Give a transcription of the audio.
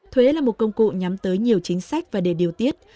thuế là một công cụ nhắm tới nhiều chính sách và để điều tiết